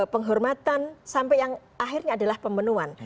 penghormatan sampai yang akhirnya adalah pemenuhan